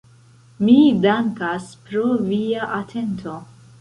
Mi dankas pro via atento.